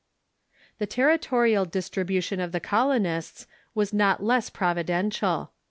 The territorial distribution of the colonists was not less providential.